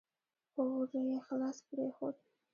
خو ور يې خلاص پرېښود.